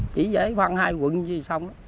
chỉ giải phân hai quận vậy là xong